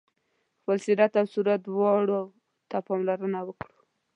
خپل سیرت او صورت دواړو ته پاملرنه وکړه.